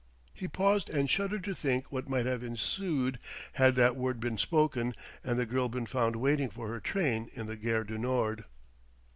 He paused and shuddered to think what might have ensued had that word been spoken and the girl been found waiting for her train in the Gare du Nord.